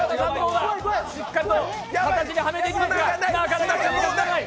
しっかりと形にはめていますがなかなかできない！